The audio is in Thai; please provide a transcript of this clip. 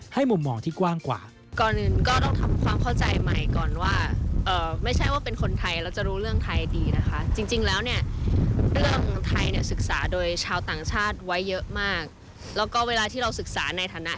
ให้มุมมองที่กว้างกว่า